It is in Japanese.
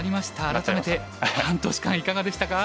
改めて半年間いかがでしたか？